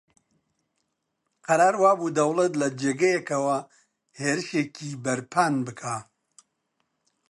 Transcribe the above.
قەرار وا بوو دەوڵەت لە جێگەیەکەوە هێرشێکی بەرپان بکا